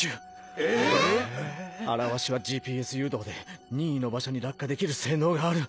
えぇ⁉「あらわし」はＧＰＳ誘導で任意の場所に落下できる性能がある。